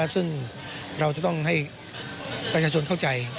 ซึ่งเราจะต้องให้ประชาชนเข้าใจ